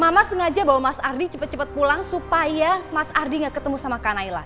mama sengaja bawa mas ardi cepat cepat pulang supaya mas ardi nggak ketemu sama kak naila